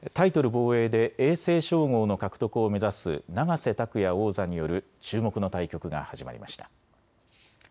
防衛で永世称号の獲得を目指す永瀬拓矢王座による注目の対局が始まりました。